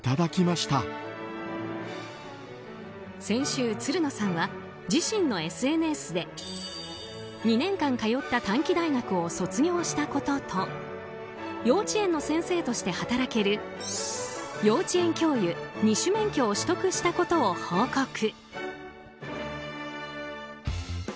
先週、つるのさんは自身のＳＮＳで２年間通った短期大学を卒業したことと幼稚園の先生として働ける幼稚園教諭二種免許を取得したことを報告。